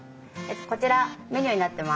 こちらメニューになってます。